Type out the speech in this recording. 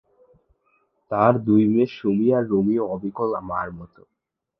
তাঁর দুই মেয়ে সুমী আর রুমীও অবিকল মার মতো।